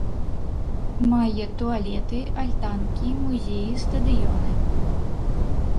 Мае туалеты, альтанкі, музеі, стадыёны.